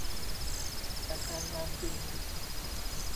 แต่การงานจริง